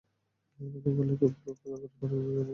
আমার মালিকের ফ্রুট-ফ্ল্যাবারের পারফিউম আমাকে দিশেহারা করে দিছে।